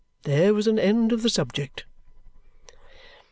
There was an end of the subject."